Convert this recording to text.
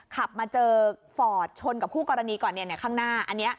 ขับมาเจอฟอร์ดชนกับคู่กรณีก่อนข้างหน้าอันนี้